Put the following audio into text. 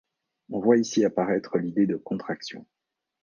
On voit ici apparaître l'idée de contraction.